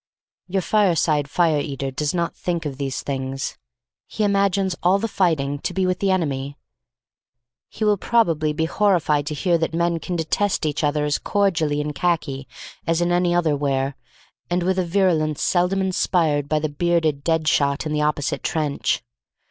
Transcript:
Your fireside fire eater does not think of these things. He imagines all the fighting to be with the enemy. He will probably be horrified to hear that men can detest each other as cordially in khaki as in any other wear, and with a virulence seldom inspired by the bearded dead shot in the opposite trench.